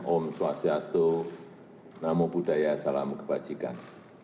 om swastiastu namo buddhaya salam kebajikan